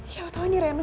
siapa tau ini reno